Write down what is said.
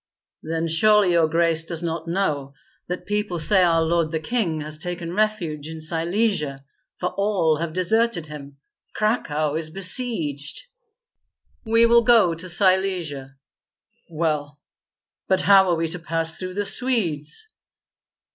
"Then surely your grace does not know that people say our lord the king has taken refuge in Silesia, for all have deserted him. Cracow is besieged." "We will go to Silesia." "Well, but how are we to pass through the Swedes?"